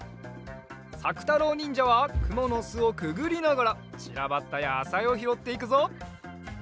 さくたろうにんじゃはくものすをくぐりながらちらばったやさいをひろっていくぞ！